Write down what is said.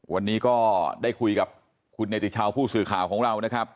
วันนี้ก็ได้คุยกับคุณเนติชาวผู้สื่อข่าวของเรานะครับ